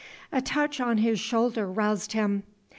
A touch on his shoulder roused him.